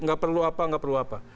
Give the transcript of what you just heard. nggak perlu apa apa